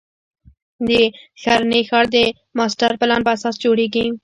د ښرنې ښار د ماسټر پلان په اساس جوړېږي.